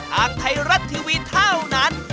ทางไทยรัฐทีวีเท่านั้น